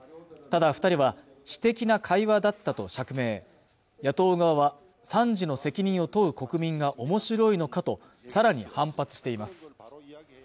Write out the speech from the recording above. ただ二人は私的な会話だったと釈明野党側は惨事の責任を問う国民が面白いのかとさらに反発しています